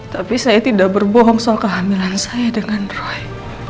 tapi saya tidak berbohong soal kehamilan saya dengan rohy